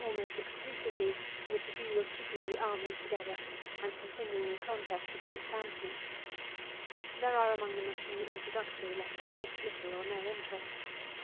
43 a ^ mos t exclusively with the view of keeping the aetat. 64. arm y together, and continuing the contest against Antony. There are among them a few introductory letters of little or no interest.